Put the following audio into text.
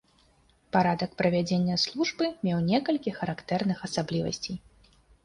Парадак правядзення службы меў некалькі характэрных асаблівасцей.